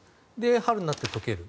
春になって解ける。